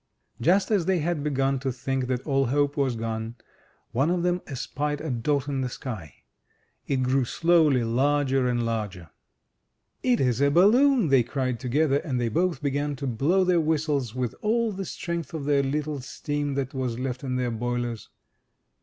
Just as they had begun to think that all hope was gone, one 119 MY BOOK HOUSE of them espied a dot in the sky. It grew slowly larger and larger. "It is a balloonr they cried to gether, and they both began to blow their whistles with all the strength of the little steam that was left in their boilers.